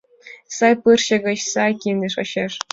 Сай пырче гыч сай кинде шочеш.